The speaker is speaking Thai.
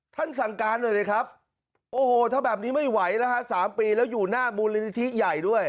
ท่านสรรค์การด้วยดีครับโอ้โหถ้าแบบนี้ไม่ไหวนะฮะสามปีแล้วอยู่หน้ามูลนิธิใหญ่ด้วย